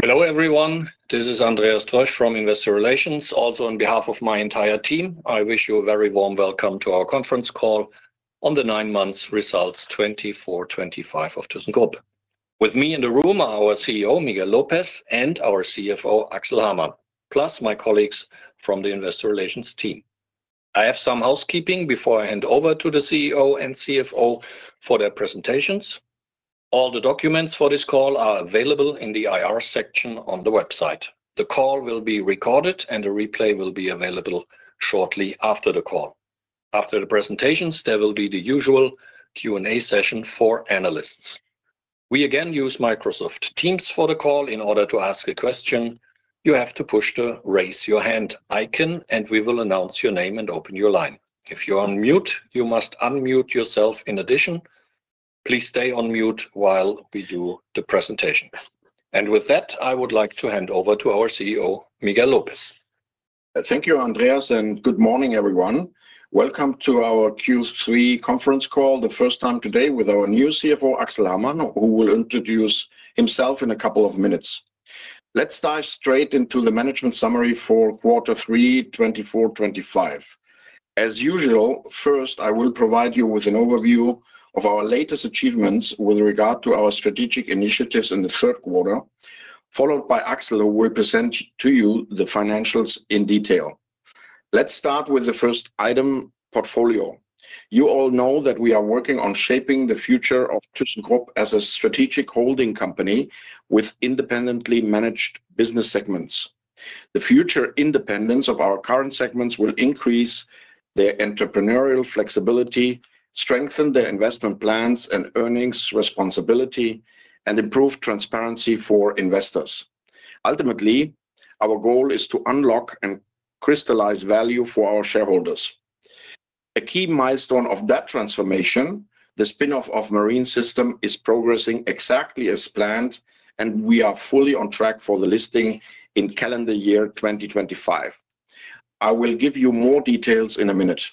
Hello everyone, this is Andreas Troesch from Investor Relations. Also, on behalf of my entire team, I wish you a very warm welcome to our conference call on the nine months results 2024, 2025 of thyssenkrupp. With me in the room are our CEO Miguel López and our CFO Axel Hamann, plus my colleagues from the Investor Relations team. I have some housekeeping before I hand over to the CEO and CFO for their presentations. All the documents for this call are available in the IR section on the website. The call will be recorded and a replay will be available shortly after the call. After the presentations there will be the usual Q&A session for analysts. We again use Microsoft Teams for the call. In order to ask a question, you have to push the raise your hand icon and we will announce your name and open your line. If you're on mute, you must unmute yourself. In addition, please stay on mute while we do the presentation. With that I would like to hand over to our CEO Miguel López. Thank you, Andreas, and good morning everyone. Welcome to our Q3 conference call, the first time today with our new CFO, Axel Hamann, who will introduce himself in a couple of minutes. Let's dive straight into the management summary for quarter three 2024-2025 as usual. First, I will provide you with an overview of our latest achievements with regard to our strategic initiatives in the third quarter, followed by Axel, who will present to you the financials in detail. Let's start with the first item: portfolio. You all know that we are working on shaping the future of thyssenkrupp as a strategic holding company with independently managed business segments. The future independence of our current segments will increase their entrepreneurial flexibility, strengthen their investment plans and earnings responsibility, and improve transparency for investors. Ultimately, our goal is to unlock and crystallize value for our shareholders. A key milestone of that transformation, the spin-off of Marine Systems, is progressing exactly as planned and we are fully on track for the listing in calendar year 2025. I will give you more details in a minute.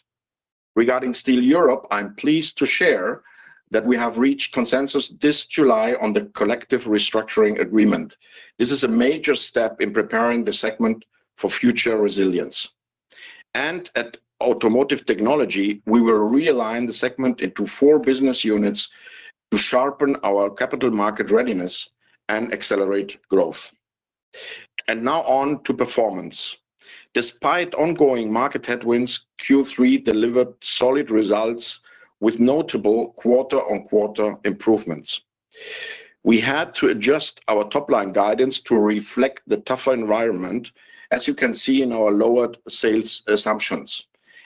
Regarding Steel Europe, I'm pleased to share that we have reached consensus this July on the collective restructuring agreement. This is a major step in preparing the segment for future resilience. At Automotive Technology, we will realign the segment into four business units, sharpen our capital market readiness, and accelerate growth. Now on to performance. Despite ongoing market headwinds, Q3 delivered solid results with notable quarter-on-quarter improvements. We had to adjust our top line guidance to reflect the tougher environment, as you can see in our lowered sales assumptions.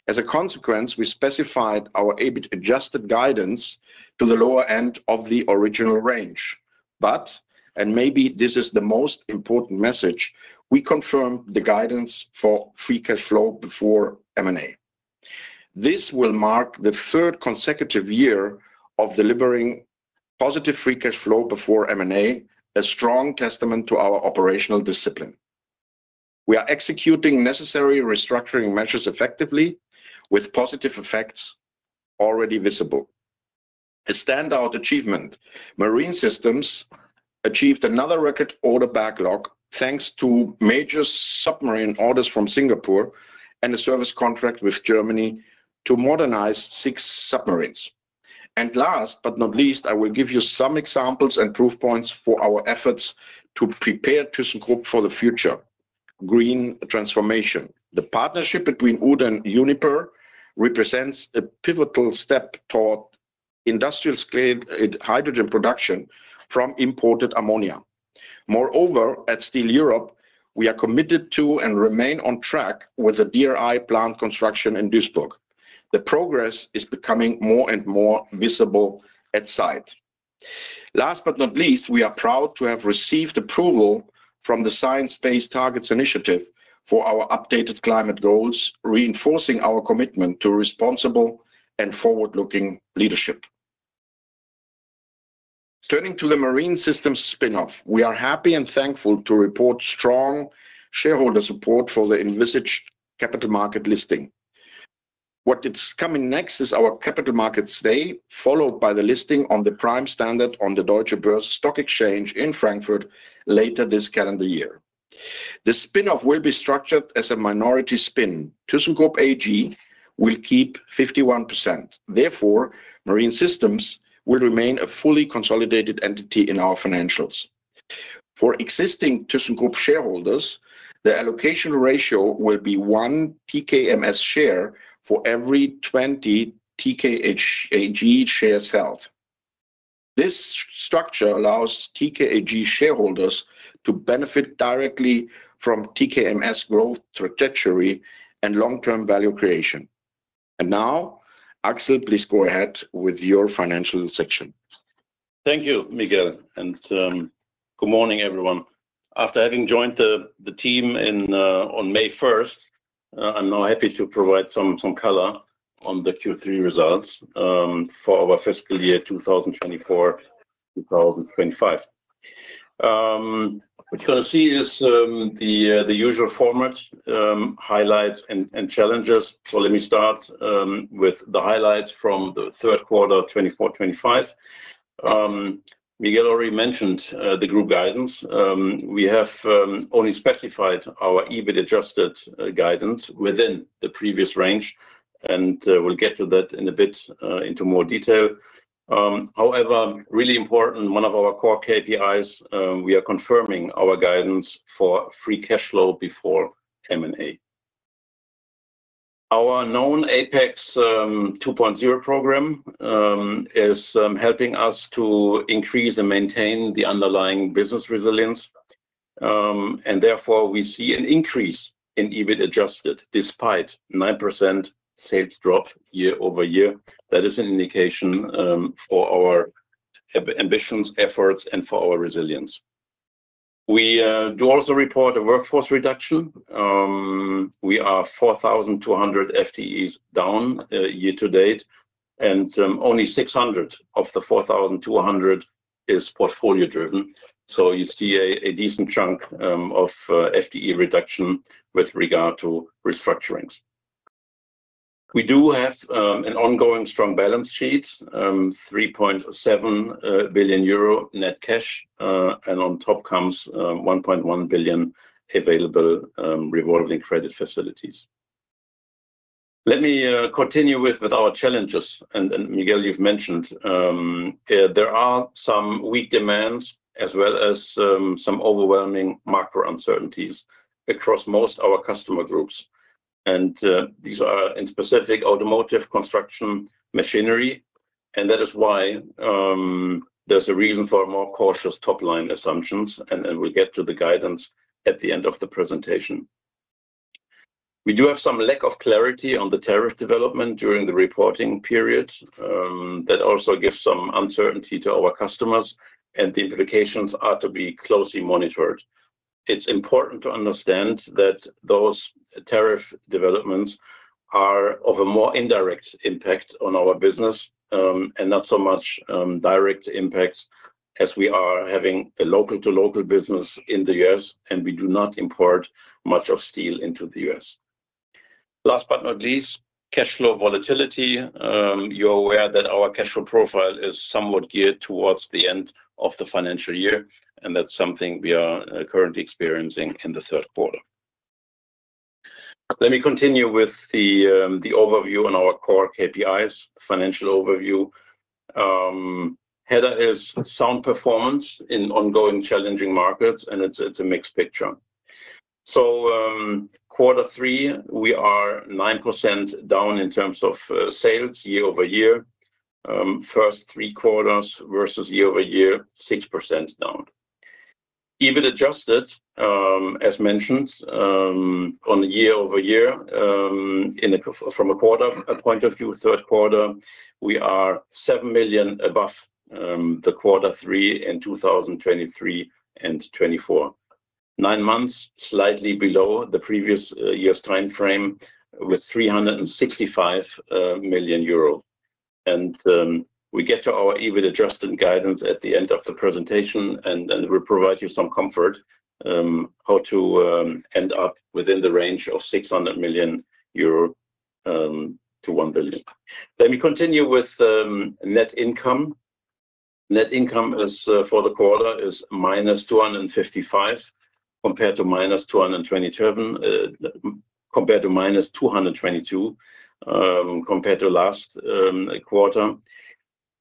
As a consequence, we specified our EBIT adjusted guidance to the lower end of the original range, but, and maybe this is the most important message, we confirm the guidance for free cash flow before M&A. This will mark the third consecutive year of delivering positive free cash flow before M&A, a strong testament to our operational discipline. We are executing necessary restructuring measures effectively with positive effects already visible. A standout achievement, Marine Systems achieved another record order backlog thanks to major submarine orders from Singapore and a service contract with Germany to modernize six submarines. Last but not least, I will give you some examples and proof points for our efforts to prepare thyssenkrupp for the future green transformation. The partnership between Uhde and Uniper represents a pivotal step toward industrial-scale hydrogen production from imported ammonia. Moreover, at Steel Europe we are committed to and remain on track with the DRI plant construction in Duisburg. The progress is becoming more and more visible at site. Last but not least, we are proud to have received approval from the Science Based Targets initiative for our updated climate goals, reinforcing our commitment to responsible and forward-looking leadership. Turning to the Marine Systems spin-off, we are happy and thankful to report strong shareholder support for the envisaged capital market listing. What is coming next is our Capital Markets Day followed by the listing on the Prime Standard on the Deutsche Börse Stock Exchange in Frankfurt later this calendar year. The spin-off will be structured as a minority spin. thyssenkrupp AG will keep 51%. Therefore, Marine Systems will remain a fully consolidated entity in our financials. For existing thyssenkrupp shareholders, the allocation ratio will be 1 tkMS share for every 20 tkAG shares held. This structure allows tkAG shareholders to benefit directly from tkMS growth trajectory and long-term value creation. Now Axel, please go ahead with your financial section. Thank you, Miguel, and good morning, everyone. After having joined the team on May 1st, I'm now happy to provide some color on the Q3 results for our fiscal year 2024-2025. What you're going to see is the usual format, highlights and challenges. Let me start with the highlights from the third quarter 2024-2025. Miguel already mentioned the group guidance. We have only specified our EBIT adjusted guidance within the previous range, and we'll get to that in a bit into more detail. However, really important, one of our core KPIs, we are confirming our guidance for free cash flow before M&A. Our known APEX 2.0 program is helping us to increase and maintain the underlying business resilience, and therefore we see an increase in adjusted EBIT despite a 9% sales drop year-over-year. That is an indication for our ambitious efforts and for our resilience. We do also report a workforce reduction. We are 4,200 FTEs down year-to-date, and only 600 of the 4,200 is portfolio driven. You see a decent chunk of FTE reduction. With regard to restructurings, we do have an ongoing strong balance sheet, 3.7 billion euro net cash, and on top comes 1.1 billion available revolving credit facilities. Let me continue with our challenges. Miguel, you've mentioned there are some weak demands as well as some overwhelming macro uncertainties across most of our customer groups, and these are in specific automotive, construction, machinery, and that is why there's a reason for more cautious top line assumptions. We'll get to the guidance at the end of the presentation. We do have some lack of clarity on the tariff development during the reporting period. That also gives some uncertainty to our customers, and the implications are to be closely monitored. It's important to understand that those tariff developments are of a more indirect impact on our business and not so much direct impacts, as we are having a local-to-local business in the U.S., and we do not import much steel into the U.S. Last but not least, cash flow volatility. You're aware that our cash flow profile is somewhat geared towards the end of the financial year, and that's something we are currently experiencing in the third quarter. Let me continue with the overview on our core KPIs, financial overview. There is sound performance in ongoing challenging markets, and it's a mixed picture. Quarter three we are 9% down in terms of sales year-over-year. First three quarters versus year-over-year 6% down. EBIT adjusted as mentioned on year-over-year from a quarter point of view, third quarter we are 7 million above the quarter three in 2023, and 2024 nine months slightly below the previous year's time frame with 365 million euro. We get to our EBIT adjusted and guidance at the end of the presentation and we'll provide you some comfort how to end up within the range of 600 million-1 billion euro. We continue with net income. Net income for the quarter is -255 million compared to -227 million, compared to -222 million compared to last quarter.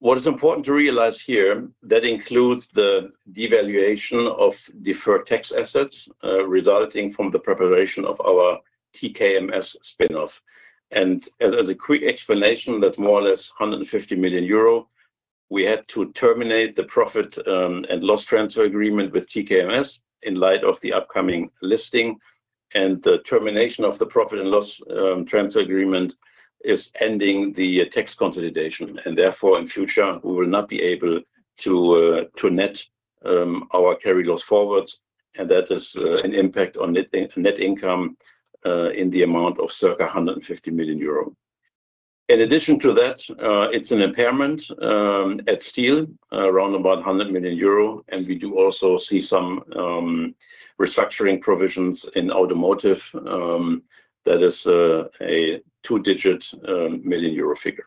What is important to realize here is that includes the devaluation of deferred tax assets resulting from the preparation of our tkMS spin off. As a quick explanation, that is more or less 150 million euro. We had to terminate the profit and loss transfer agreement with tkMS in light of the upcoming listing, and the termination of the profit and loss transfer agreement is ending the tax consolidation. Therefore, in future we will not be able to net our carry goes forwards. That is an impact on net income in the amount of circa 150 million euro. In addition to that, it's an impairment at Steel around about 100 million euro. We do also see some restructuring provisions in Automotive that is a two-digit million euro figure.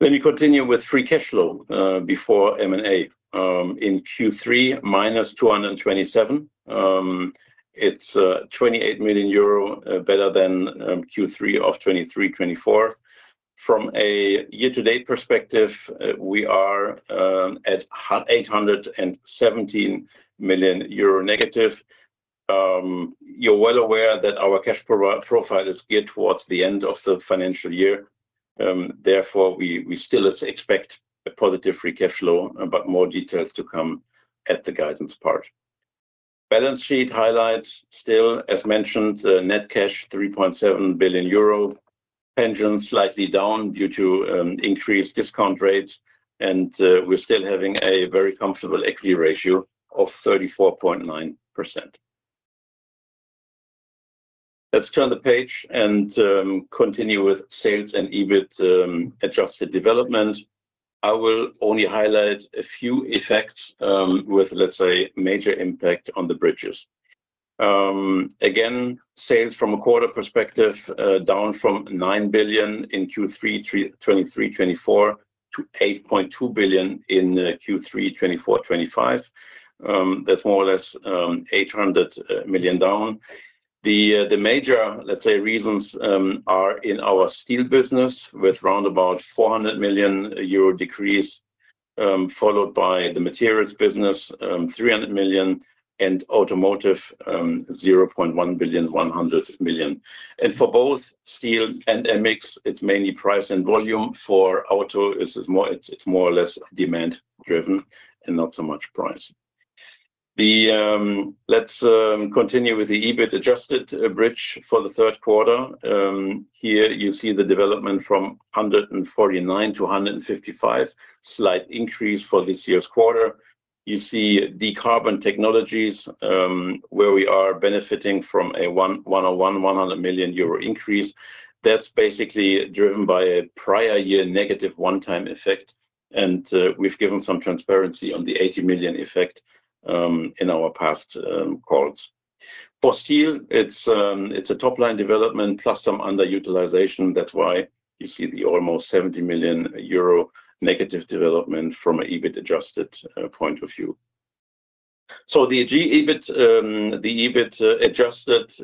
You continue with free cash flow before M&A in Q3, -227 million. It's 28 million euro better than Q3 of 2023, 2024. From a year-to-date perspective, we are at -817 million euro. You're well aware that our cash profile is geared towards the end of the financial year. Therefore, we still expect a positive free cash flow, but more details to come at the guidance part. Balance sheet highlights: still as mentioned, net cash 3.7 billion euro, pensions slightly down due to increased discount rates, and we're still having a very comfortable equity ratio of 34.9%. Let's turn the page and continue with sales and EBIT adjusted development. I will only highlight a few effects with, let's say, major impact on the bridges. Again, sales from a quarter perspective down from 9 billion in Q3 2023, 2024 to 8.2 billion in Q3 2024, 2025. That's more or less 800 million down. The major, let's say, reasons are in our steel business with roundabout 400 million euro decrease, followed by the materials business 300 million, and automotive 0.1 billion, 100 million. For both steel and mix, it's mainly price and volume. For auto, it's more or less demand driven and not so much price. Let's continue with the EBIT adjusted bridge for the third quarter. Here you see the development from 149 million-155 million, slight increase for this year's quarter. You see Decarbon Technologies where we are benefiting from a 100 million euro increase. That's basically driven by a prior year negative one-time effect, and we've given some transparency on the 80 million effect in our past calls. For steel, it's a top line development plus some underutilization. That's why you see the almost 70 million euro negative development from an EBIT adjusted point of view. The EBIT adjusted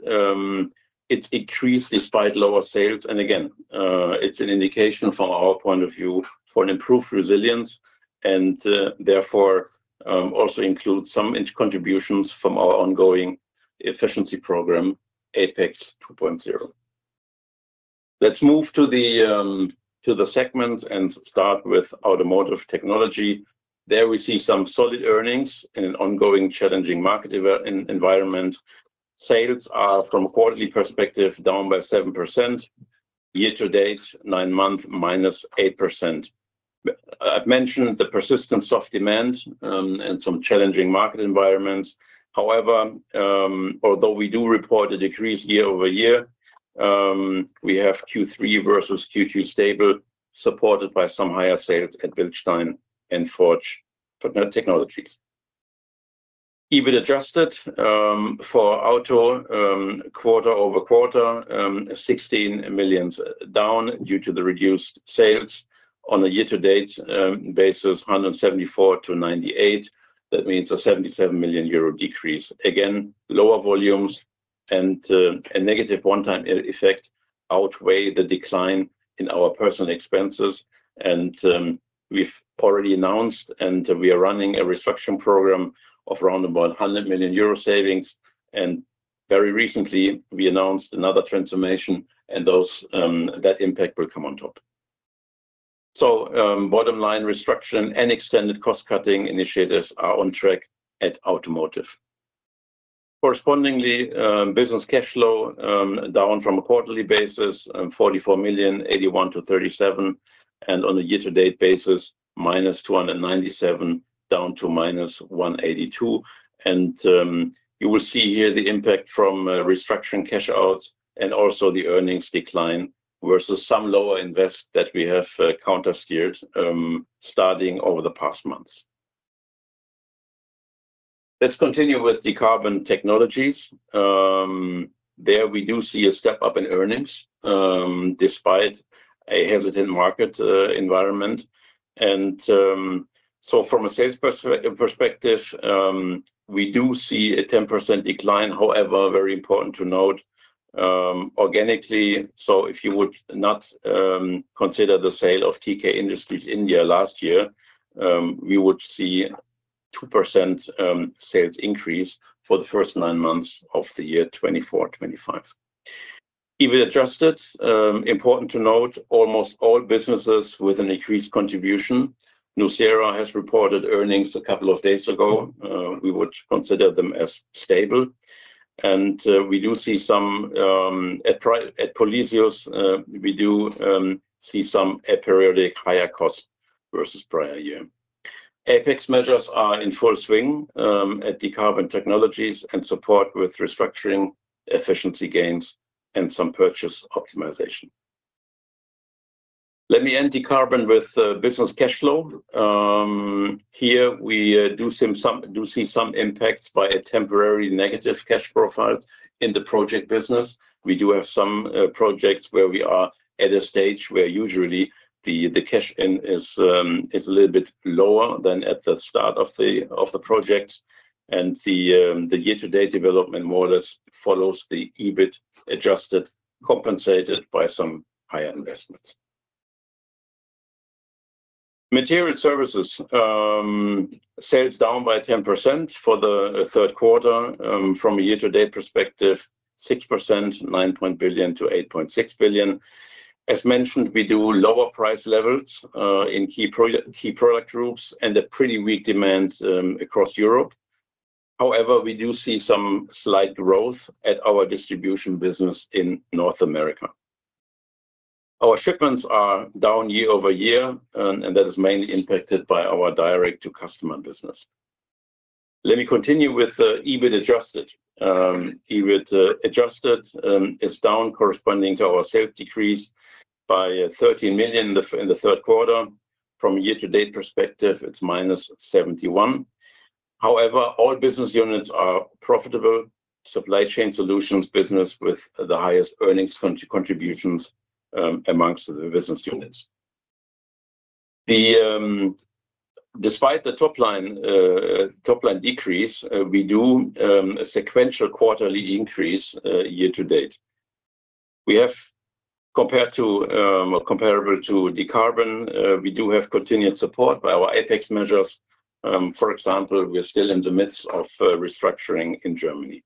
has increased despite lower sales, and again it's an indication from our point of view for an improved resilience and therefore also includes some contributions from our ongoing efficiency program, APEX 2.0. Let's move to the segments and start with Automotive Technology. There we see some solid earnings in an ongoing challenging market environment. Sales are, from a quarterly perspective, down by 7%. Year-to-date, nine months, -8%. I've mentioned the persistent soft demand and some challenging market environments. However, although we do report a decrease year-over-year, we have Q3 versus Q2 stable, supported by some higher sales at Bilstein and Forge Technologies. EBIT adjusted for auto, quarter-over-quarter, 16 million down due to the reduced sales. On a year-to-date basis, 174 million-98 million. That means a 77 million euro decrease. Again, lower volumes and a negative one-time effect outweigh the decline in our personnel expenses. We've already announced and we are running a restructuring program of around 100 million euro savings, and very recently we announced another transformation and those that impact will come on top. Bottom line, restructuring and extended cost cutting initiatives are on track at Automotive. Correspondingly, business cash flow down from a quarterly basis, 44 million, 81 million to 37 million. On a year-to-date basis, -297 million down to -182 million. You will see here the impact from restructuring cash outs and also the earnings decline versus some lower investment that we have countersteered starting over the past month. Let's continue with Decarbon Technologies. There we do see a step up in earnings despite a hesitant market environment. From a sales perspective, we do see a 10% decline. However, very important to note, organically. If you would not consider the sale of TK Industries India last year, we would see a 2% sales increase for the first nine months of the year 2024, 2025 adjusted. Important to note, almost all businesses with an increased contribution. Nucera has reported earnings a couple of days ago. We would consider them as stable, and we do see some aperiodic higher cost versus prior year. APEX measures are in full swing at Decarbon Technologies and support with restructuring, efficiency gains, and some purchase optimization. Let me end Decarbon with business cash flow here. We do see some impacts by a temporary negative cash profile in the project business. We do have some projects where we are at a stage where usually the cash in is a little bit lower than at the start of the projects, and the year-to-date development more or less follows the adjusted EBIT compensated by some higher investments. Materials Services sales down by 10% for the third quarter. From a year-to-date perspective, 9.9 billion-8.6 billion. As mentioned, we do lower price levels in key product groups and a pretty weak demand across Europe. However, we do see some slight growth at our distribution business in North America. Our shipments are down year-over-year, and that is mainly impacted by our direct-to-customer business. Let me continue with EBIT adjusted. EBIT adjusted is down corresponding to our sales decrease by 13 million in the third quarter. From a year-to-date perspective, it's -71 million. However, all business units are profitable, supply chain solutions business with the highest earnings contributions amongst the business units. Despite the top line decrease, we do a sequential quarterly increase. Year-to-date, we have compared to comparable to Decarbon. We do have continued support by our APEX measures. For example, we are still in the midst of restructuring in Germany.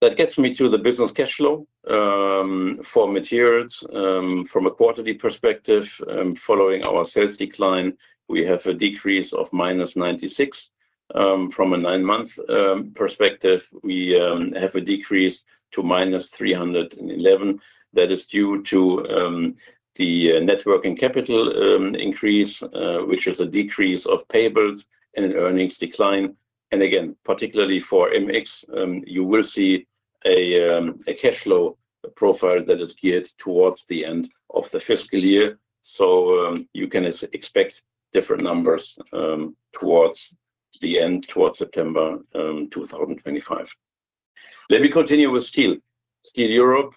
That gets me to the business cash flow for Materials. From a quarterly perspective, following our sales decline, we have a decrease of -96 million. From a nine-month perspective, we have a decrease to -311 million. That is due to the net working capital increase, which is a decrease of payables and an earnings decline. Again, particularly for IMX, you will see a cash flow profile that is geared towards the end of the fiscal year, so you can expect different numbers towards the end, towards September 2025. Let me continue with Steel. Steel Europe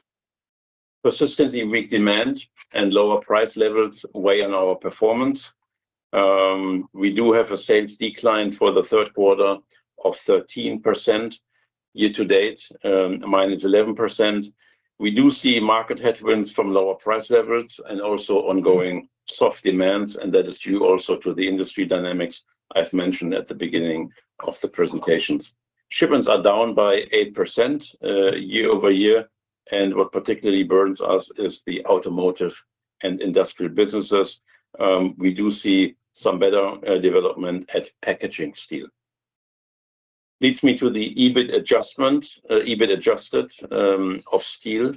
persistently weak demand and lower price levels weigh on our performance. We do have a sales decline for third quarter, 13% year-to-date, -11%. We do see market headwinds from lower price levels and also ongoing soft demands, and that is due also to the industry dynamics I've mentioned at the beginning of the presentations. Shipments are down by 8% year-over-year, and what particularly burns us is the automotive and industrial businesses. We do see some better development at packaging. Steel leads me to the EBIT adjustments. EBIT adjusted of Steel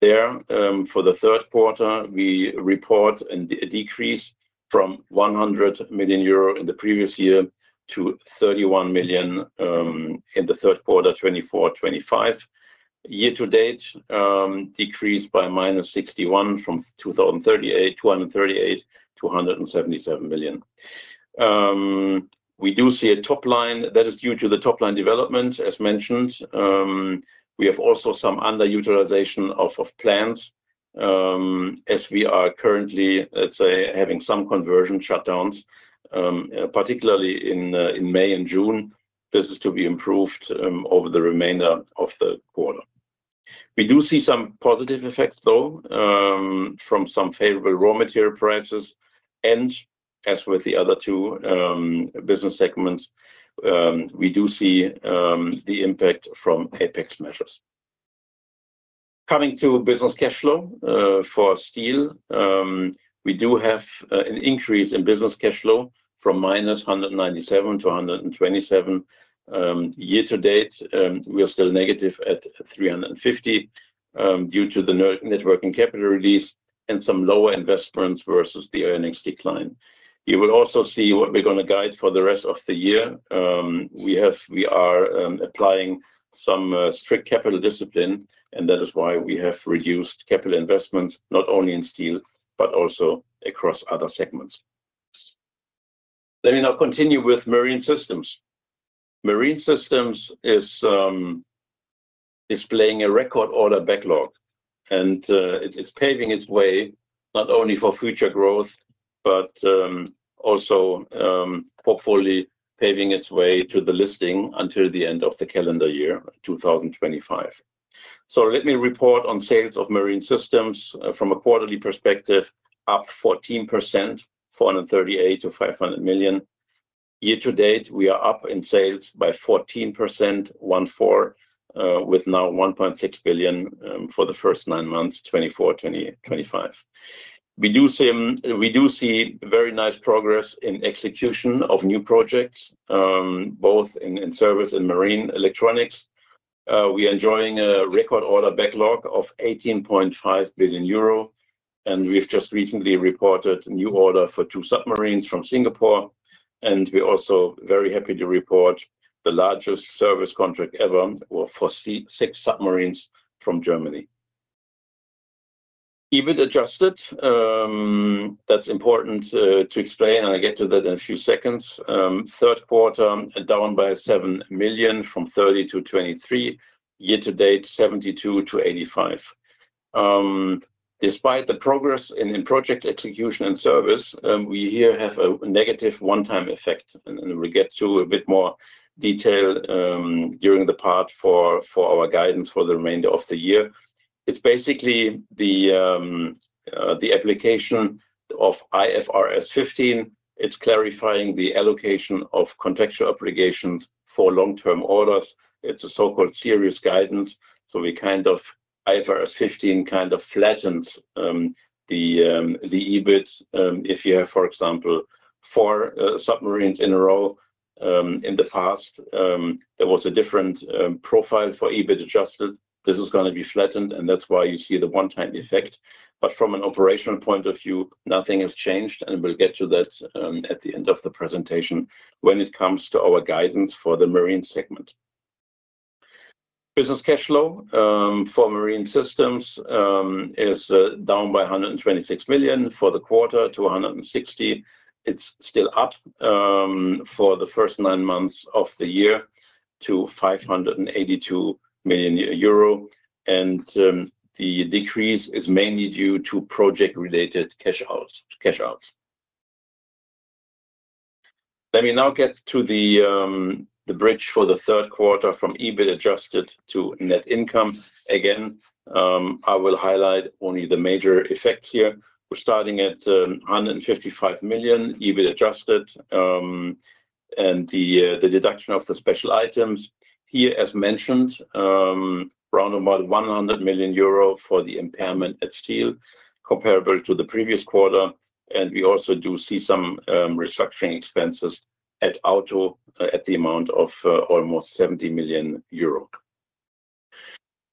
there for the third quarter, we report a decrease from 100 million euro in the previous year to 31 million in the third quarter. 2024, 2025 year-to-date decreased by -61 from 203 million to 77 million. We do see a top line that is due to the top line development as mentioned. We have also some underutilization of plants as we are currently, let's say, having some conversion shutdowns, particularly in May and June. This is to be improved over the remainder of the quarter. We do see some positive effects though from some favorable raw material prices. As with the other two business segments, we do see the impact from APEX 2.0 measures. Coming to business cash flow for Steel, we do have an increase in business cash flow from -197 million-127 million year-to-date. We are still negative at 350 million due to the networking capital release and some lower investments versus the earnings decline. You will also see what we're going to guide for the rest of the year. We are applying some strict capital discipline, and that is why we have reduced capital investments not only in Steel but also across other segments. Let me now continue with Marine Systems. Marine Systems is displaying a record order backlog, and it is paving its way not only for future growth but also portfolio, paving its way to the listing until the end of the calendar year 2025. Let me report on sales of Marine Systems from a quarterly perspective. Up 14%, 438 million-500 million year-to-date, we are up in sales by 14%, with now 1.6 billion for the first nine months. 2024, 2025, we do see very nice progress in execution of new projects both in service and marine electronics. We are enjoying a record order backlog of 18.5 billion euro. We've just recently reported new order for two submarines from Singapore, and we are also very happy to report the largest service contract ever for six submarines from Germany. EBIT adjusted, that's important to explain. I'll get to that in a few seconds. Third quarter down by 7 million from 30 million to 23 million, year-to-date 72 million-85 million. Despite the progress in project execution and service, we here have a negative one-time effect and we get to a bit more detail during the part. For our guidance for the remainder of the year, it's basically the application of IFRS 15. It's clarifying the allocation of contextual obligations for long-term orders. It's a so-called serious guidance. IFRS 15 kind of flattens the EBIT if you have, for example, four submarines in a row. In the past, there was a different profile for EBIT adjusted. This is going to be flattened and that's why you see the one-time effect. From an operational point of view, nothing has changed and we'll get to that at the end of the presentation. When it comes to our guidance for the Marine segment, business cash flow for Marine Systems is down by 126 million for the quarter to 160 million. It's still up for the first nine months of the year to 582 million euro. The decrease is mainly due to project-related cash outs. Let me now get to the bridge for the third quarter from EBIT adjusted to net income. Again, I will highlight only the major effects here. We're starting at 155 million EBIT adjusted and the deduction of the special items here. As mentioned, round about 100 million euro for the impairment at Steel, comparable to the previous quarter. We also do see some restructuring expenses at Automotive at the amount of almost 70 million euro.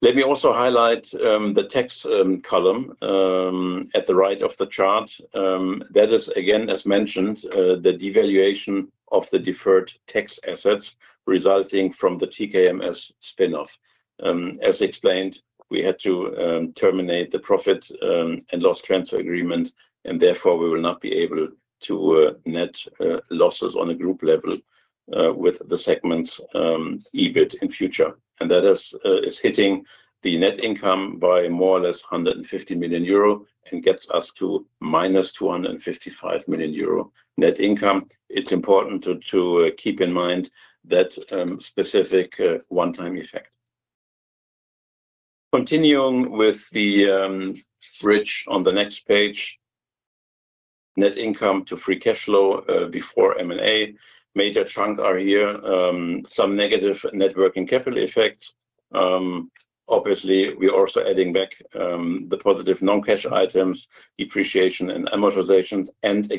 Let me also highlight the tax column at the right of the chart. That is again, as mentioned, the devaluation of the deferred tax assets resulting from the tkMS spin-off. As explained, we had to terminate the profit and loss transfer agreement and therefore we will not be able to net losses on a group level with the segment's EBIT in future. That is hitting the net income by more or less 150 million euro and gets us to -255 million euro net income. It's important to keep in mind that specific one-time effect. Continuing with the bridge on the next page, net income to free cash flow before M&A, major chunk are here some negative net working capital effects. Obviously, we're also adding back the positive non-cash items, depreciation and amortizations, and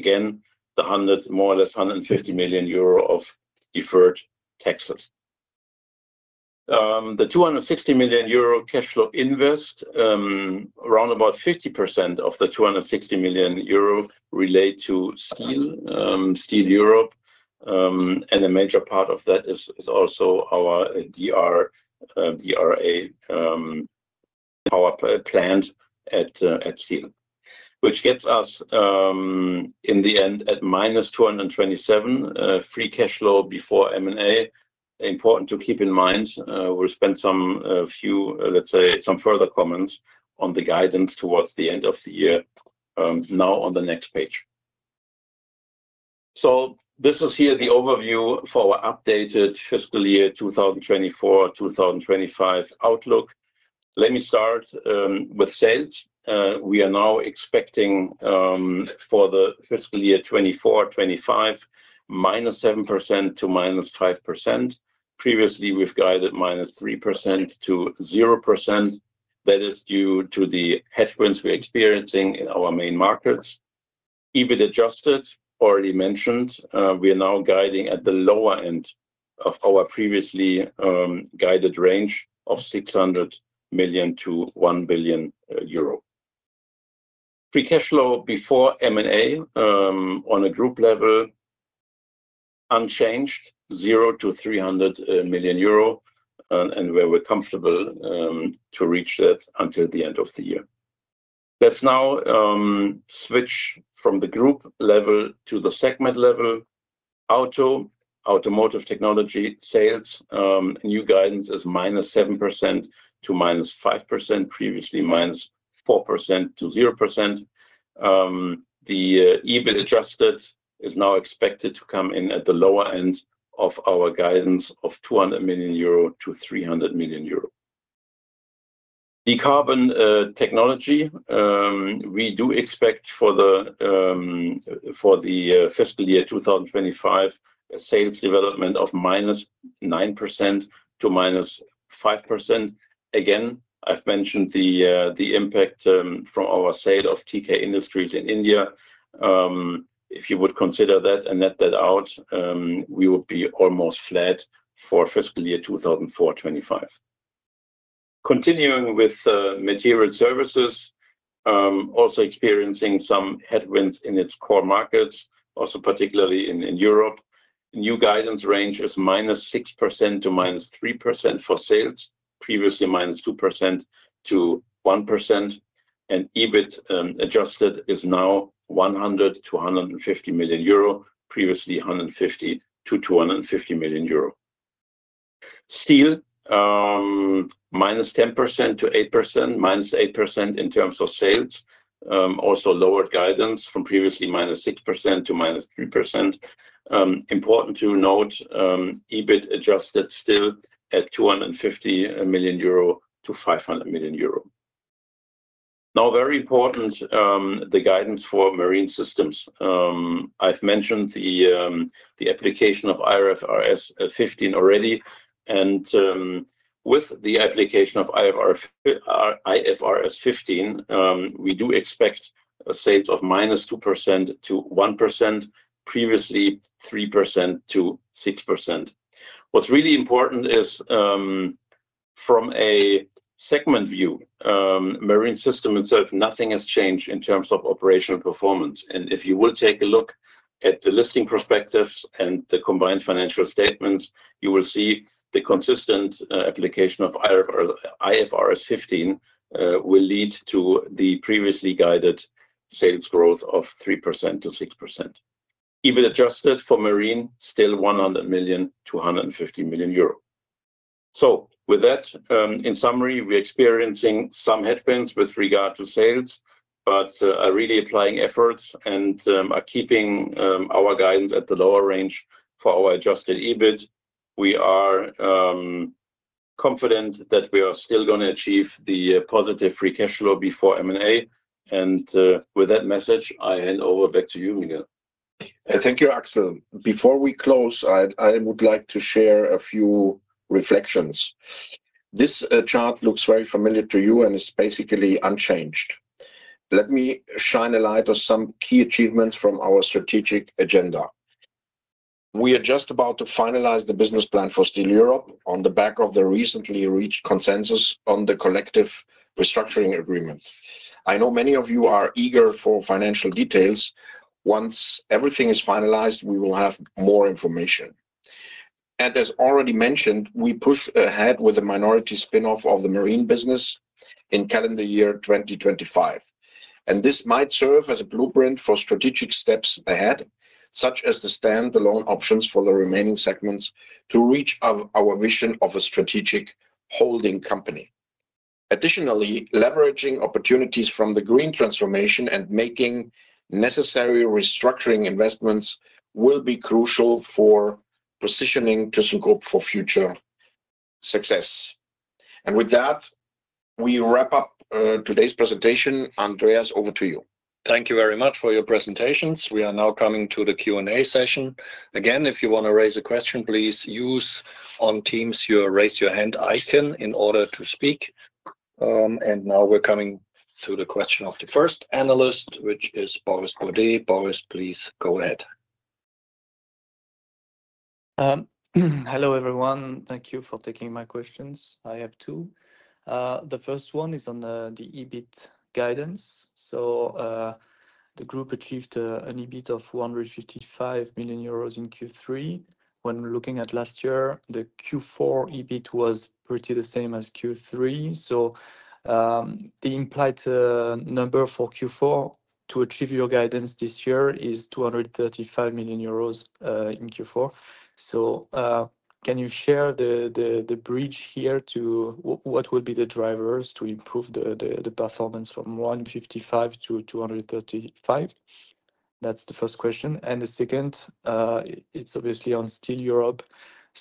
again the more or less EUR 150 million of deferred taxes. The 260 million euro cash flow invest, around about 50% of the 260 million euro relate to Steel Europe and a major part of that is also our DRI plant at Steel, which gets us in the end at -227 million free cash flow before M&A. Important to keep in mind. We'll spend some few, let's say, some further comments on the guidance towards the end of the year now on the next page. This is here the overview for our updated fiscal year 2024, 2025 outlook. Let me start with sales. We are now expecting for the fiscal year 2024, 2025 -7% to -5%. Previously we've guided -3%-0%. That is due to the headwinds we're experiencing in our main markets. EBIT adjusted already mentioned, we are now guiding at the lower end of our previously guided range of 600 million-1 billion euro. Free cash flow before M&A on a group level unchanged, 0 to 300 million euro, and we're comfortable to reach that until the end of the year. Let's now switch from the group level to the segment level. Automotive Technology sales new guidance is -7% to -5%, previously -4% to 0%. The EBIT adjusted is now expected to come in at the lower end of our guidance of 200 million-300 million euro. Decarbon Technologies, we do expect for the fiscal year 2025 a sales development of -9% to -5%. Again, I've mentioned the impact from our sale of TK Industries in India. If you would consider that and net that out, we would be almost flat for fiscal year 2024, 2025. Continuing with Materials Services, also experiencing some headwinds in its core markets, also particularly in Europe. New guidance range is -6% to -3% for sales, previously -2% to 1%, and EBIT adjusted is now 100 million euro-EUR150 million, previously 150 million-250 million euro. Steel, -10% to -8% in terms of sales, also lowered guidance from previously -6% to -3%. Important to note, EBIT adjusted still at 250 million-500 million euro. Now, very important, the guidance for Marine Systems. I've mentioned the application of IFRS 15 already, and with the application of IFRS 15, we do expect sales of -2% to 1%, previously 3%-6%. What's really important is from a segment view, Marine Systems itself, nothing has changed in terms of operational performance, and if you will take a look at the listing perspectives and the combined financial statements, you will see the consistent application of IFRS 15 will lead to the previously guided sales growth of 3%-6%. EBIT adjusted for Marine still 100 million-250 million euro. With that, in summary, we're experiencing some headwinds with regard to sales, but are really applying efforts and are keeping our guidance at the lower range for our adjusted EBIT. We are confident that we are still going to achieve the positive free cash flow before M&A and with that message I hand over back to you, Miguel. Thank you, Axel. Before we close, I would like to share a few reflections. This chart looks very familiar to you and is basically unchanged. Let me shine a light on some key achievements from our strategic agenda. We are just about to finalize the business plan for Steel Europe on the back of the recently reached consensus on the collective restructuring agreement. I know many of you are eager for financial details. Once everything is finalized, we will have more information, and as already mentioned, we push ahead with the minority spinoff of the marine business in calendar year 2025. This might serve as a blueprint for strategic steps ahead, such as the standalone options for the remaining segments to reach our vision of a strategic holding company. Additionally, leveraging opportunities from the green transformation and making necessary restructuring investments will be crucial for positioning thyssenkrupp for future success. With that, we wrap up today's presentation. Andreas, over to you. Thank you very much for your presentations. We are now coming to the Q&A session. If you want to raise a question, please use on Teams your raise your hand icon in order to speak. We are coming to the question of the first analyst, which is Boris Bourdet. Boris, please go ahead. Hello, everyone. Thank you for taking my questions. I have two. The first one is on the EBIT guidance. The group achieved an EBIT of 155 million euros in Q3. When looking at last year, the Q4 EBIT was pretty much the same as Q3. The implied number for Q4 to achieve your guidance this year is 235 million euros in Q4. Can you share the bridge here to what will be the drivers to improve the performance from 155 million-235 million? That's the first question. The second, it's obviously on Steel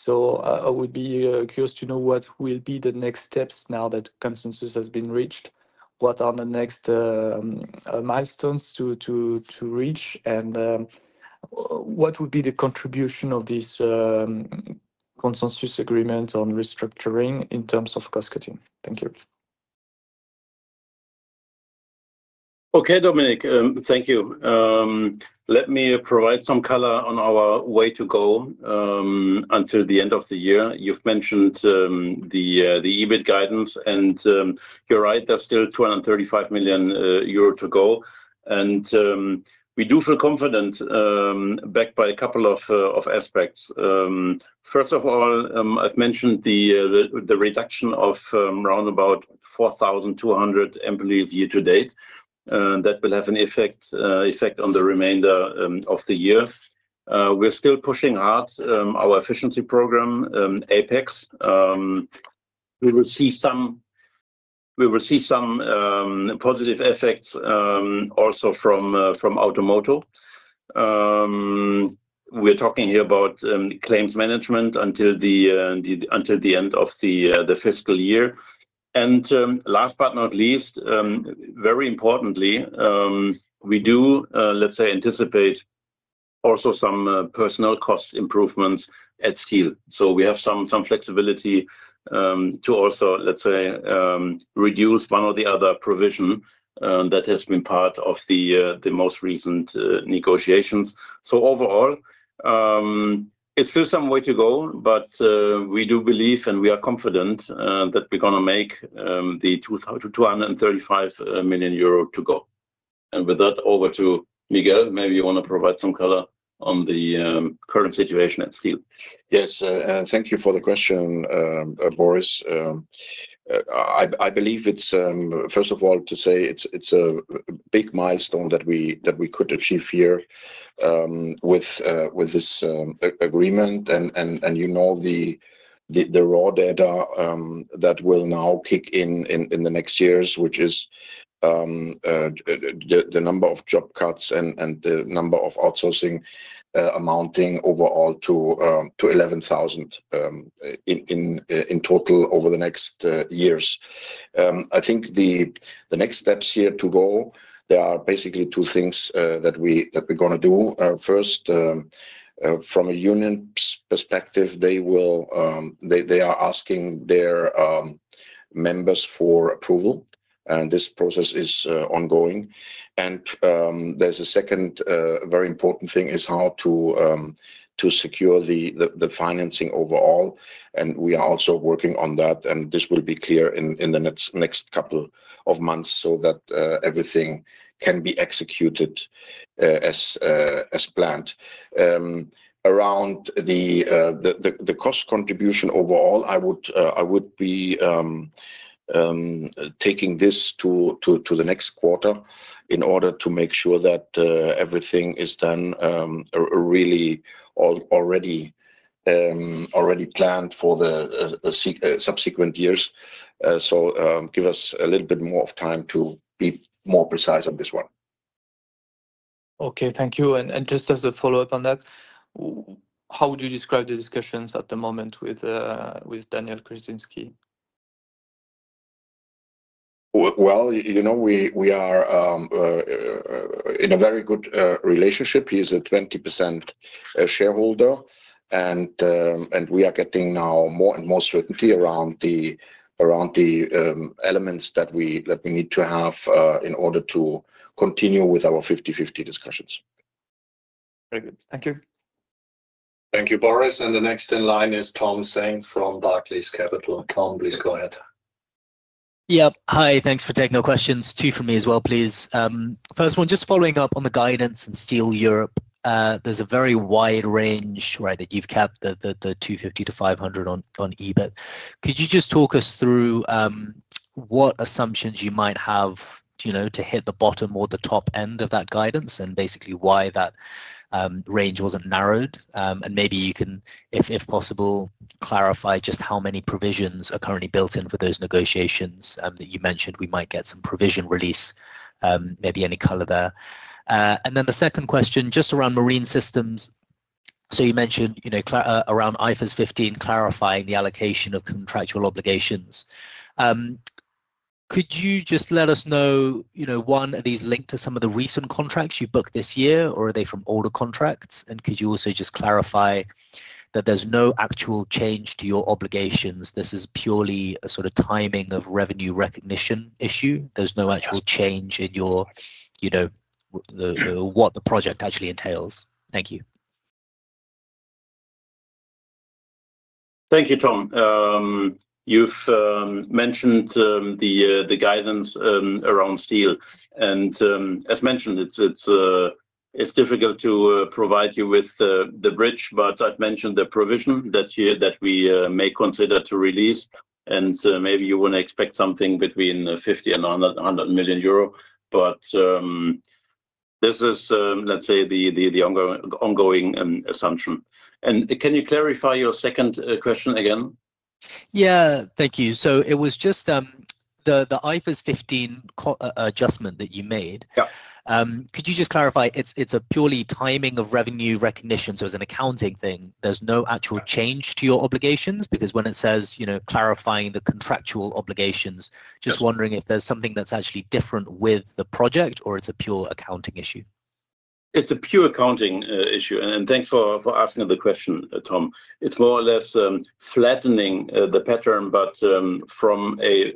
Europe. I would be curious to know what will be the next steps now that consensus has been reached. What are the next milestones to reach and what would be the contribution of this consensus agreement on restructuring in terms of cascading? Thank you. Okay, Dominic, thank you. Let me provide some color on our way to go until the end of the year. You've mentioned the EBIT guidance and you're right, there's still 235 million euro to go. We do feel confident, backed by a couple of aspects. First of all, I've mentioned the reduction of around 4,200 employees year-to-date. That will have an effect on the remainder of the year. We're still pushing hard our efficiency program APEX 2.0. We will see some positive effects also from Automotive. We're talking here about claims management until the end of the fiscal year. Last but not least, very importantly, we do, let's say, anticipate also some personnel cost improvements at Steel. We have some flexibility to also, let's say, reduce one or the other provision that has been part of the most recent negotiations. Overall, it's still some way to go, but we do believe, and we are confident that we're going to make the 235 million euro to go. With that, over to Miguel, maybe you want to provide some color on the current situation at Steel. Yes, thank you for the question, Boris. I believe it's first of all to say it's a big milestone that we could achieve here with this agreement. The raw data that will now kick in the next years, which is the number of job cuts and the number of outsourcing, amounting overall to 11,000 in total over the next years. I think the next steps here to go, there are basically two things that we're going to do. First, from a union perspective, they are asking their members for approval and this process is ongoing. There's a second very important thing, which is how to secure the financing overall. We are also working on that, and this will be clear in the next couple of months so that everything can be executed as planned around the cost contribution overall. I would be taking this to the next quarter in order to make sure that everything is done really already planned for the subsequent years. Give us a little bit more of time to be more precise on this one. Okay, thank you. Just as a follow up on that, how would you describe the discussions at the moment with Daniel Krzyzinski? We are in a very good relationship. He is a 20% shareholder, and we are getting now more and more certainty around the elements that we need to have in order to continue with our 50/50 discuss. Very good. Thank you. Thank you, Boris. The next in line is Tom Zhang from Barclays Capital. Tom, please go ahead. Yeah, hi. Thanks for taking the questions. Two from me as well, please. First one, just following up on the guidance and Steel Europe, there's a very wide range, right, that you've kept the 250 million-500 million on EBIT. Could you just talk us through what assumptions you might have, you know, to hit the bottom or the top end of that guidance and basically why that range wasn't narrowed. Maybe you can, if possible, clarify just how many provisions are currently built in for those negotiations that you mentioned. We might get some provision release, maybe any color there. The second question, just around Marine Systems, you mentioned, you know, around IFRS 15, clarifying the allocation of contractual obligations. Could you just let us know, you know, one, are these linked to some of the recent contracts you booked this year, or are they from older contracts? Could you also just clarify that there's no actual change to your obligations? This is purely a sort of timing of revenue recognition issue. There's no actual change in your, you know, what the project actually entails. Thank you. Thank you. Tom, you've mentioned the guidance around steel, and as mentioned, it's difficult to provide you with the bridge. I've mentioned the provision that we may consider to release, and maybe you wouldn't expect something between 50 million and 100 million euro, but this is, let's say, the ongoing assumption. Can you clarify your second question again? Thank you. It was just the IFRS 15 adjustment that you made. Could you clarify? It's a purely timing of revenue recognition, so as an accounting thing, there's no actual change to your obligations. When it says clarifying the contractual obligations, just wondering if there's something that's actually different with the project or it's a pure accounting issue. It's a pure accounting issue. Thanks for asking the question, Tom. It's more or less flattening the pattern, but from a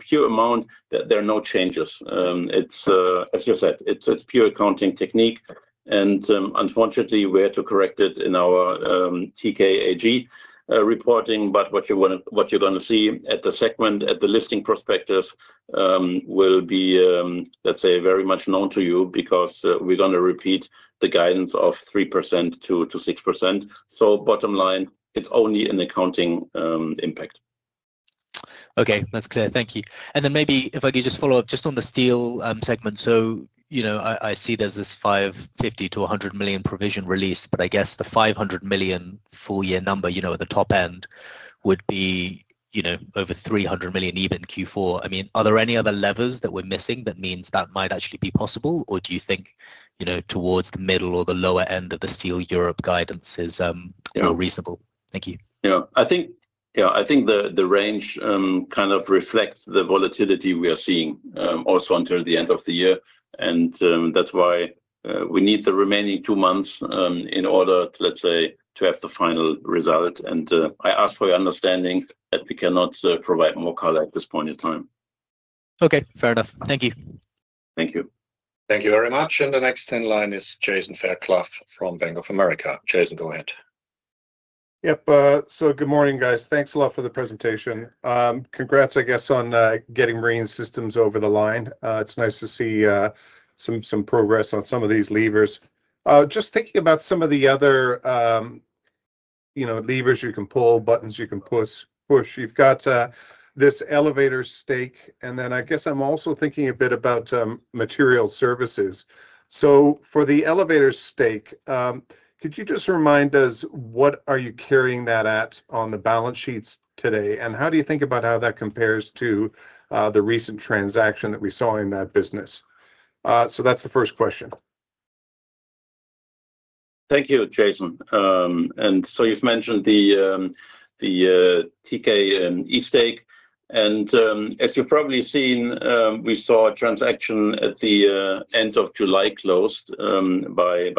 pure amount there are no changes. As you said, it's pure accounting technique and unfortunately we had to correct it in our tkAG reporting. What you're going to see at the segment, at the listing perspective, will be, let's say, very much known to you because we're going to repeat the guidance of 3%-6%. Bottom line, it's only an accounting impact. Okay, that's clear. Thank you. Maybe if I could just follow up on the steel segment. I see there's this 550 million-100 million provision release, but I guess the 500 million full year number at the top end would be over 300 million, even in Q4. Are there any other levers that we're missing that means that might actually be possible? Do you think towards the middle or the lower end of the Steel Europe guidance is reasonable? Thank you. I think the range kind of reflects the volatility we are seeing also until the end of the year. That's why we need the remaining two months in order to, let's say, have the final result. I ask for your understanding that we cannot provide more color at this point in time. Okay, fair enough. Thank you. Thank you. Thank you very much. The next in line is Jason Fairclough from Bank of America. Jason, go ahead. Yep. Good morning, guys. Thanks a lot for the presentation. Congrats, I guess, on getting Marine Systems over the line. It's nice to see some progress on some of these levers. Just thinking about some of the other levers you can pull, buttons you can push. You've got this elevator stake. I guess I'm also thinking a bit about Materials Services. For the elevator stake, could you just remind us what you are carrying that at on the balance sheets today? How do you think about how that compares to the recent transaction that we saw in that business? That's the first question. Thank you, Jason. You've mentioned the TKE stake, and as you've probably seen, we saw a transaction at the end of July closed by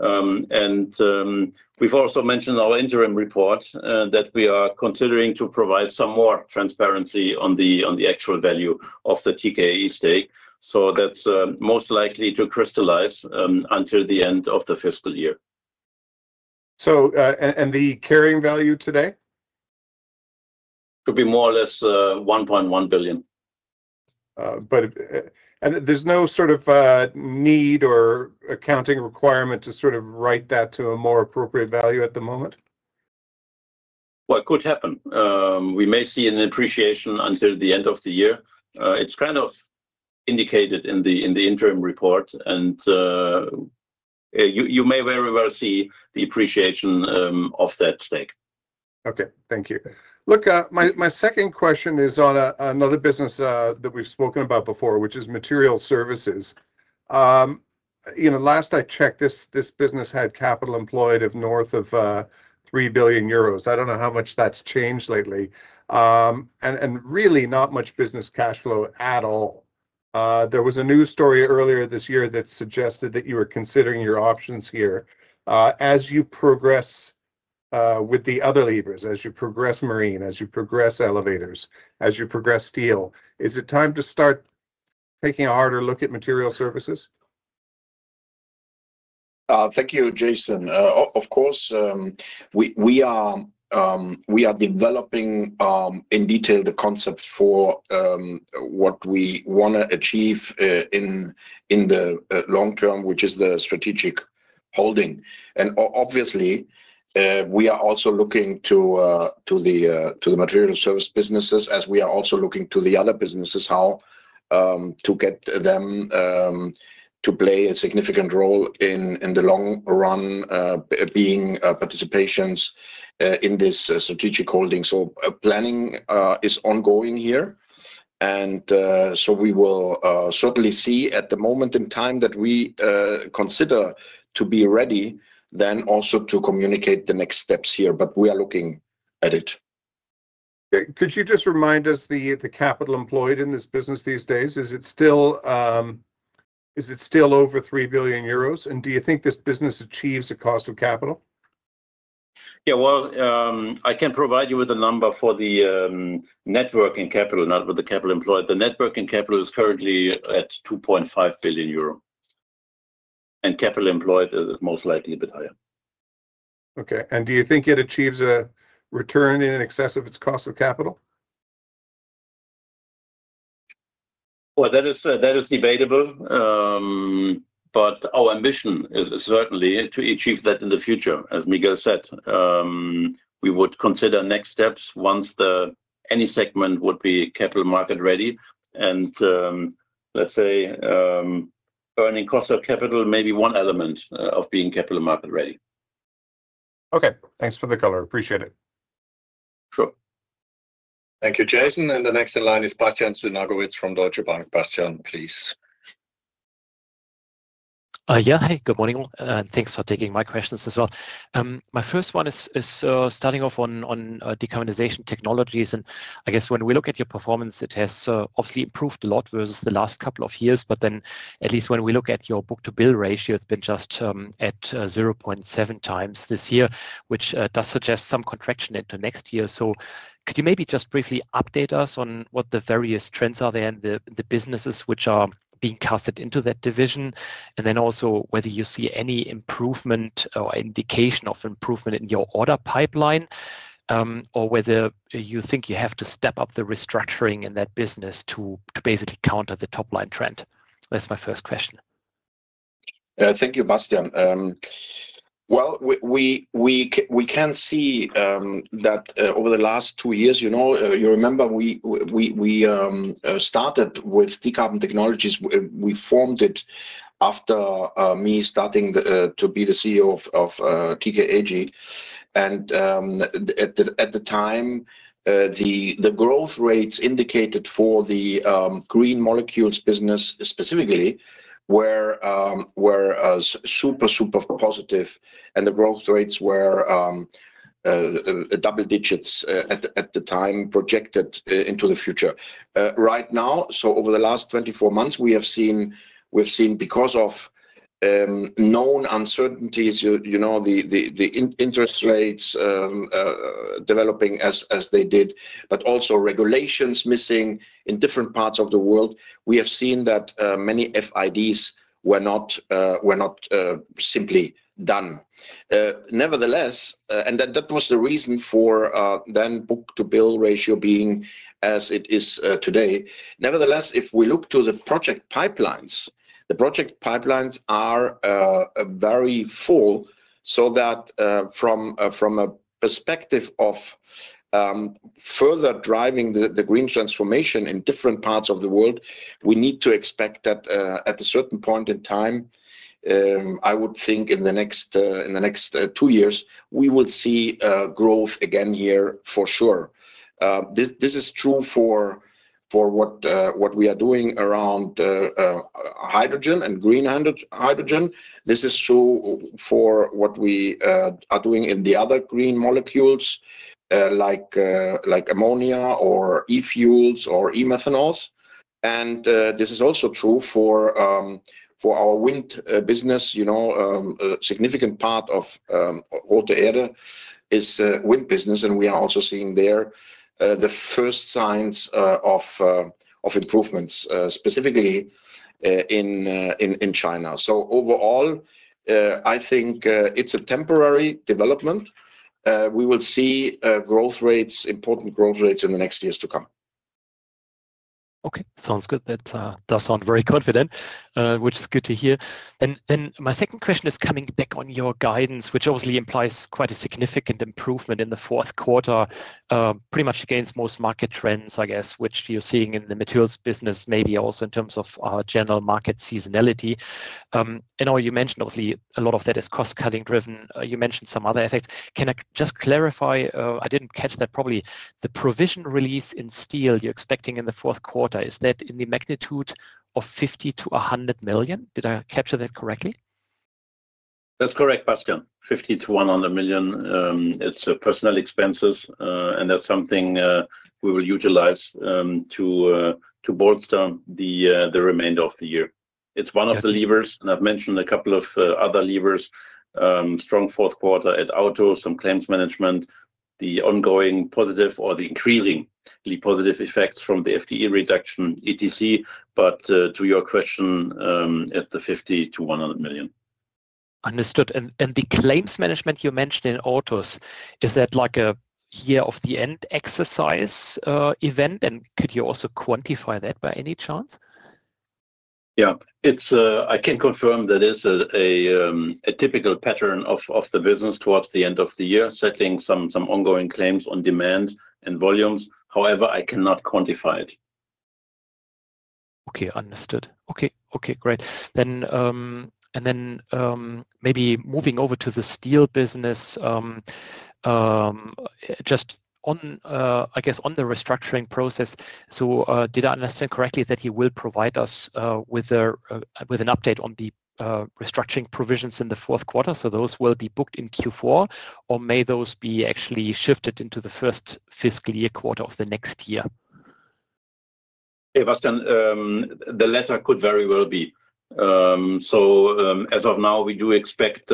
Aled. We've also mentioned in our interim report that we are considering to provide some more transparency on the actual value of the TKE stake. That's most likely to crystallize until the end of the fiscal year. The carrying value today could. Be more or less 1.1 billion. Is there no sort of need or accounting requirement to write that to a more appropriate value at the moment? It could happen. We may see an appreciation until the end of the year. It's kind of indicated in the interim report. You may very well see the appreciation of that stake. Okay, thank you. Look, my second question is on another business that we've spoken about before, which is Materials Services. Last I checked, this business had capital employed of north of 3 billion euros. I don't know how much that's changed lately, and really not much business cash flow at all. There was a news story earlier this year that suggested that you were considering your options here. As you progress with the other levers, as you progress Marine, as you progress Elevators, as you progress Steel, is it time to start taking a harder look at Materials Services? Thank you, Jason. Of course we are. We are developing in detail the concept for what we want to achieve in the long term, which is the strategic holding. Obviously, we are also looking to the Materials Services businesses, as we are also looking to the other businesses, how to get them to play a significant role in the long run being participations in this strategic holding. Planning is ongoing here. We will certainly see at the moment in time that we consider to be ready then also to communicate the next steps here. We are looking at it. Could you just remind us, the capital employed in this business these days? Is. Is it still over 3 billion euros? Do you think this business achieves a cost of capital? I can provide you with a number for the net working capital, not with the capital employed. The net working capital is currently at 2.5 billion euro, and capital employed is most likely a bit higher. Okay. Do you think it achieves a return in excess of its cost of capital? That is debatable. Our ambition is certainly to achieve that in the future. As Miguel López said, we would consider next steps once any segment would be capital market ready and, let's say, earning cost of capital, maybe one element of being capital market ready. Okay. Thanks for the color. Appreciate it. Sure. Thank you, Jason. The next in line is Bastian Synagowitz from Deutsche Bank. Bastian, please. Yeah. Hey, good morning. Thanks for taking my questions as well. My first one is starting off on decarbonization technologies. I guess when we look at your performance, it has obviously improved a lot versus the last couple of years. At least when we look at your book to bill ratio, it's been just at 0.7x this year, which does suggest some contraction into next year. Could you maybe just briefly update us on what the various trends are there and the businesses which are being casted into that division, and also whether you see any improvement or indication of improvement in your order pipeline or whether you think you have to step up the restructuring in that business to basically counter the top line trend? That's my first question. Thank you, Bastian. Over the last two years, you remember we started with Decarbon Technologies, formed it after me starting to be the CEO of tkAG. At the time, the growth rates indicated for the green molecules business specifically were super, super positive. The growth rates were double digits at the time projected into the future right now. Over the last 24 months, we have seen, because of known uncertainties, you know, the interest rates developing as they did, but also regulations missing in different parts of the world. We have seen that many FIDs were not simply done nevertheless. That was the reason for the book to bill ratio being as it is today. If we look to the project pipelines, the project pipelines are very full. From a perspective of further driving the green transformation in different parts of the world, we need to expect that at a certain point in time. I would think in the next two years we will see growth again here for sure. This is true for what we are doing around hydrogen and green hydrogen. This is true for what we are doing in the other green molecules like ammonia or e-fuels or e-methanols. This is also true for our wind business. Significant part of Autoede is wind business. We are also seeing there the first signs of improvements specifically in China. Overall, I think it's a temporary development. We will see growth rates, important growth rates in the next years to come. Okay, sounds good. That does sound very confident, which is good to hear. My second question is coming back on your guidance, which obviously implies quite a significant improvement in the fourth quarter, pretty much against most market trends, I guess, which you're seeing in the materials business. Maybe also in terms of general market seasonality and all you mentioned, obviously a lot of that is cost cutting driven. You mentioned some other effects. Can I just clarify, I didn't catch that. Probably the provision release in steel you're expecting in the fourth quarter, is that in the magnitude of 50 million-100 million? Did I capture that correctly? That's correct, Bastian. 50 million-100 million. It's personal expenses and that's something we will utilize to bolster the remainder of the year. It's one of the levers, and I've mentioned a couple of other levers: strong fourth quarter at auto, some claims management, the ongoing positive or the increasingly positive effects from the FTE reduction, etc. To your question, at the 50 million to 100 million. Understood. The claims management you mentioned in autos, is that like a year-end exercise event? Could you also quantify that by any chance? Yeah, I can confirm that is a typical pattern of the business towards the end of the year, setting some ongoing claims on demand and volumes. However, I cannot quantify it. Okay, understood. Okay, great. Maybe moving over to the steel business just on, I guess, on the restructuring process. Did I understand correctly that you will provide us with an update on the restructuring provisions in the fourth quarter? Will those be booked in Q4, or may those be actually shifted into the first fiscal year quarter of the next year? That could very well be. As of now, we do expect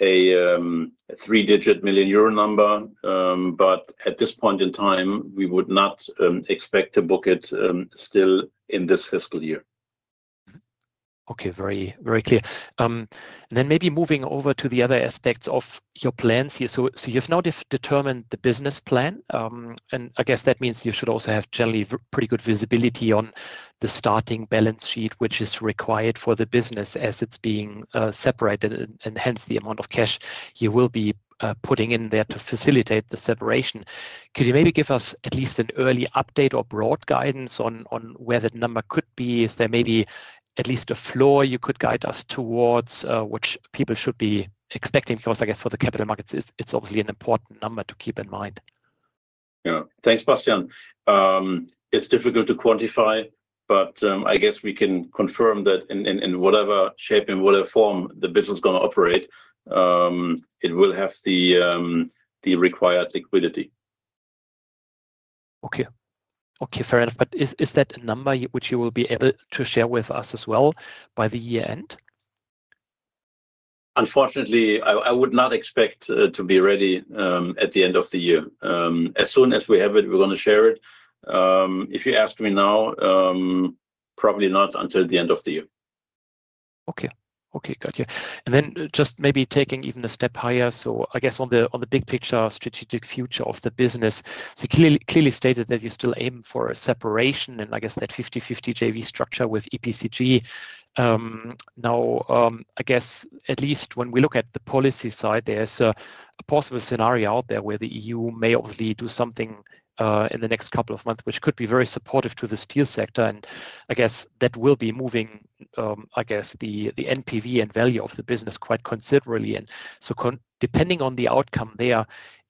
a three-digit million euro number, but at this point in time, we would not expect to book it still in this fiscal year. Okay, very, very clear. Maybe moving over to the other aspects of your plans here. You've now determined the business plan and I guess that means you should also have generally pretty good visibility on the starting balance sheet, which is required for the business as it's being separated and hence the amount of cash you will be putting in there to facilitate the separation. Could you maybe give us at least an early update or broad guidance on where that number could be? Is there maybe at least a floor you could guide us towards which people should be expecting? I guess for the capital markets it's obviously an important number to keep in mind. Thanks, Bastian. It's difficult to quantify, but I guess we can confirm that in whatever shape and whatever form the business is going to operate, it will have the required liquidity. Okay, fair enough. Is that a number which you will be able to share with us as well by the year end? Unfortunately, I would not expect to be ready at the end of the year. As soon as we have it, we're going to share it. If you ask me now, probably not until the end of the year. Okay, got you. Just maybe taking even a step higher, on the big picture strategic future of the business, you clearly stated that you still aim for a separation and that 50/50 JV structure with EPG now. At least when we look at the policy side, there's a possible scenario out there where the EU may obviously do something in the next couple of months which could be very supportive to the steel sector. I guess that will be moving the NPV and value of the business quite considerably. Depending on the outcome,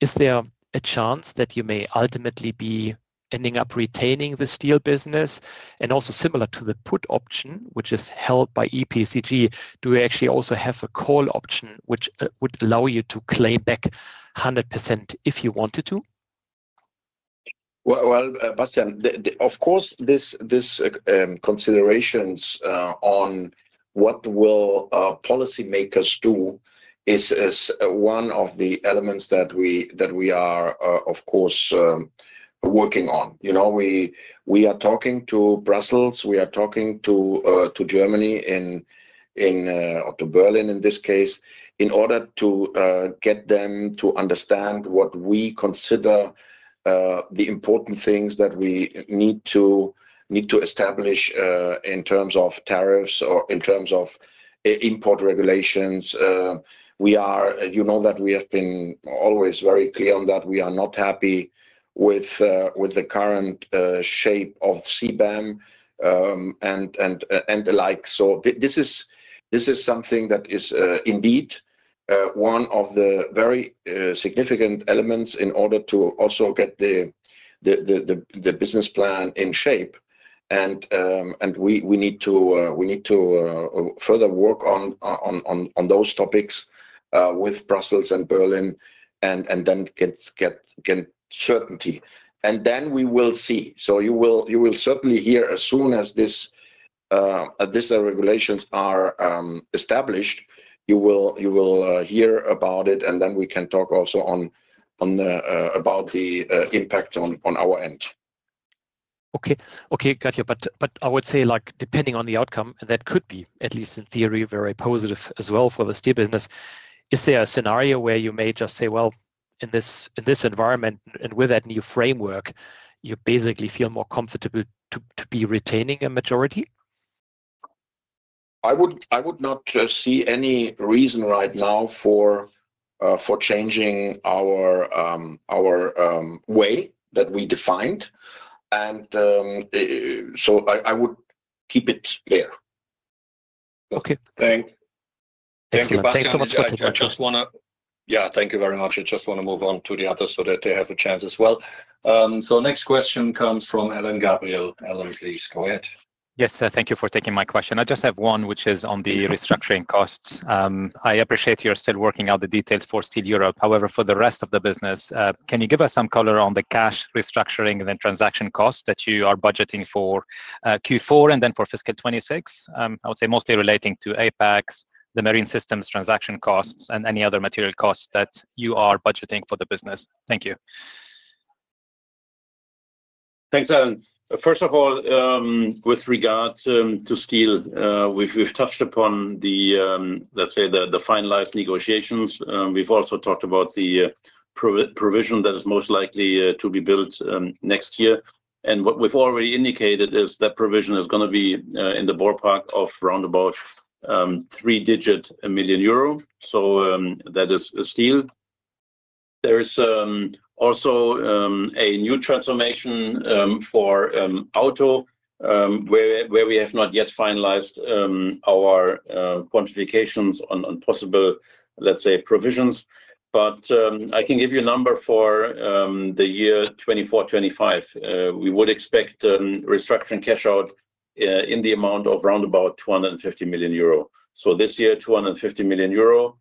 is there a chance that you may ultimately be ending up retaining the steel business? Also, similar to the put option which is held by EPG, do you actually also have a call option which would allow you to claim back 100% if you wanted to? Bastian, of course these considerations on what will policymakers do is one of the elements that we are of course working on. We are talking to Brussels, we are talking to Germany or to Berlin in this case, in order to get them to understand what we consider the important things that we need to establish in terms of tariffs or in terms of import regulations. You know that we have been always very clear on that we are not happy with the current shape of CBAM and the like. This is something that is indeed one of the very significant elements in order to also get the business plan in shape. We need to further work on those topics with Brussels and Berlin and then get certainty and then we will see. You will certainly hear, as soon as these regulations are established, you will hear about it and then we can talk also about the impact on our end. Okay, got you. I would say depending on the outcome, and that could be, at least in theory, very positive as well for the steel business. Is there a scenario where you may just say, in this environment and with that new framework, you basically feel more comfortable to be retaining a majority? I would not see any reason right now for changing our way that we defined it. I would keep it there. Okay, thanks so much. I just want to. Yeah, thank you very much. I just want to move on to the others so that they have a chance as well. Next question comes from Alain Gabriel. Alain, please go ahead. Yes, thank you for taking my question. I just have one which is on the restructuring costs. I appreciate you're still working out the details for Steel Europe. However, for the rest of the business, can you give us some color on the cash restructuring and then transaction costs that you are budgeting for Q4 and then for fiscal 2026? I would say mostly relating to APEX 2.0, the Marine Systems transaction costs, and any other material costs that you are budgeting for the business. Thank you. Thanks, Alain. First of all, with regard to steel, we've touched upon the, let's say, the finalized negotiations. We've also talked about the provision that is most likely to be built next year, and what we've already indicated is that provision is going to be in the ballpark of around a three-digit million euro. That is for steel. There is also a new transformation for auto where we have not yet finalized our quantifications on possible, say, provisions. I can give you a number. For the year 2024, 2025, we would expect restructuring cash out in the amount of around 250 million euro. This year, 250 million euro.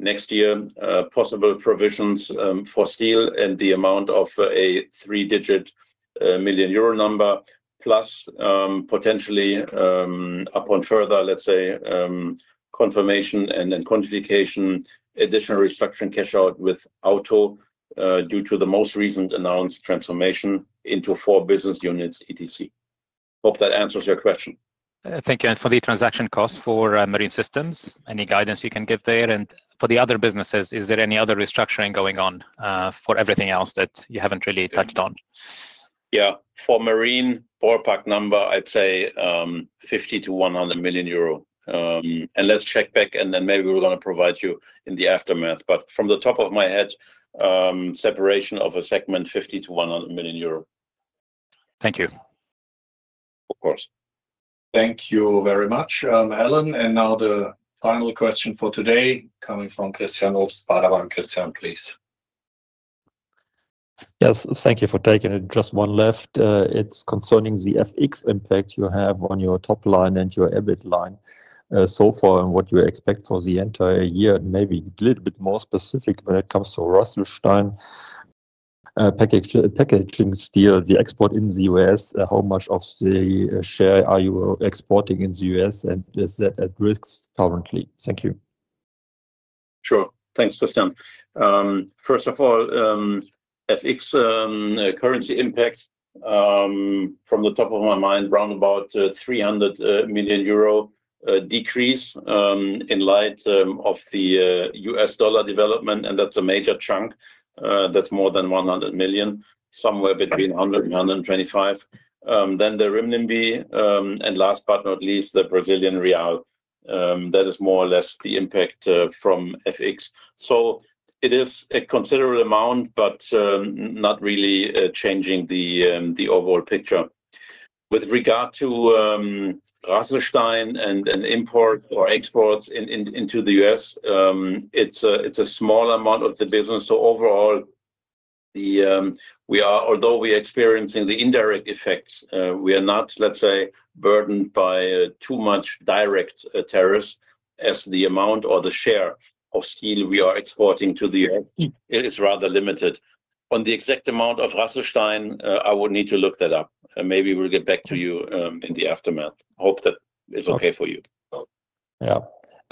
Next year, possible provisions for steel in the amount of a three-digit million euro number, plus potentially, upon further, let's say, confirmation and then quantification, additional restructuring cash out with auto due to the most recent announced transformation into four business units, etc. Hope that answers your question. Thank you. For the transaction cost for Marine Systems, any guidance you can give there? For the other businesses, is there any other restructuring going on for everything else that you haven't really touched on? Yeah, for Marine ballpark number I'd say RUR 50 million-EUR 100 million. Let's check back and then maybe we're going to provide you in the aftermath, but from the top of my head, separation of a segment 50 million-100 million euro. Thank you. Of course. Thank you very much, Alain. Now the final question for today coming from Christian Obst Baader Bank. Christian, please. Yes, thank you for taking it. Just one left. It's concerning the FX impact you have on your top line and your EBIT line so far and what you expect for the entire year. Maybe a little bit more specific when it comes to Packaging Steel, the export in the U.S., how much of the share are you exporting in the U.S. and is that at risk currently? Thank you. Sure. Thanks, Christian. First of all, FX currency impact from the top of my mind, around 300 million euro decrease in light of the U.S. dollar development. That's a major chunk. That's more than 100 million, somewhere between 100 million, 125 million. Then the renminbi, and last but not least, the Brazilian real. That is more or less the impact from FX. It is a considerable amount, but not really changing the overall picture with regard to Rasselstein and import or exports into the U.S. It's a small amount of the business. Overall, although we are experiencing the indirect effects, we're not, let's say, burdened by too much direct tariffs as the amount or the share of steel we are exporting to the U.S. is rather limited. On the exact amount of Rasselstein, I would need to look that up and maybe we'll get back to you in the aftermath. Hope that it's okay for you. Yeah,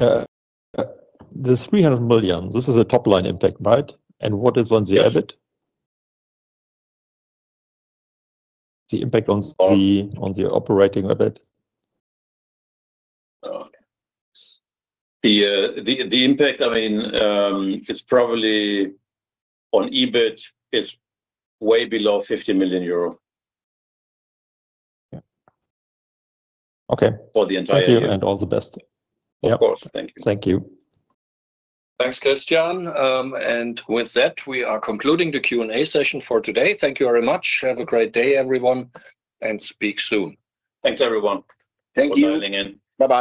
the 300 million, this is a top line impact, right? What is on the EBIT. The. Impact on the operating EBIT? The impact, I mean, is probably on EBIT, is way below EUR 50 million. Okay. For the entire. All the best. Yeah, of course. Thank you. Thank you. Thanks Christian. We are concluding the Q and A session for today. Thank you very much. Have a great day everyone and speak soon. Thanks, everyone. Thank you. Bye bye.